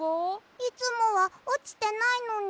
いつもはおちてないのに。